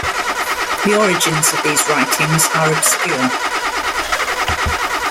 The origins of these writings are obscure.